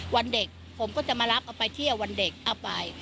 วันเด็กผมก็จะมารับเอาไปเที่ยววันเด็กเอาไป